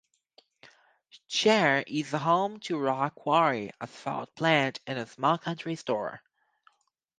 Scherr is home to a rock quarry, asphalt plant, and a small country store.